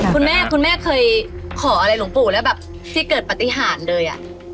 คุณแม่คุณแม่เคยขออะไรหลวงปู่แล้วแบบที่เกิดปฏิหารเลย